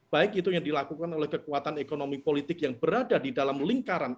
baik itu yang dilakukan oleh kekuatan ekonomi politik yang berada di dalam lingkaran